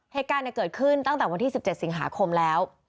เหตุการณ์เกิดขึ้นตั้งแต่วันที่๑๗สิงหาคมแล้ว